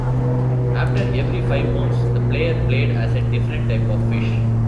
After every five moves, the player played as a different type of fish.